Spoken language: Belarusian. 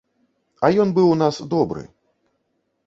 А ён быў у нас добры.